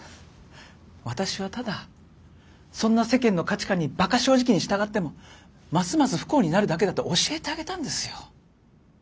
私はただそんな世間の価値観にバカ正直に従ってもますます不幸になるだけだと教えてあげたんですよ。